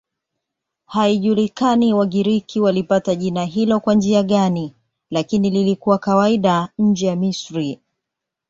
Haijulikani Wagiriki walipata jina hilo kwa njia gani, lakini lilikuwa kawaida nje ya Misri.